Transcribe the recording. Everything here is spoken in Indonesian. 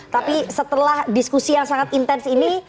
tapi setelah diskusi yang sangat intens ini